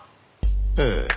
ええ。